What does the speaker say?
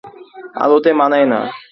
আলোতে মানায় না?